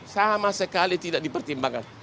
sama sekali tidak dipertimbangkan